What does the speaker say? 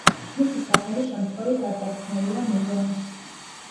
მისი სახელი შემთხვევით არ დარქმევია მუზეუმს.